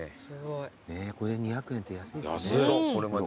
これ２００円って安いですね。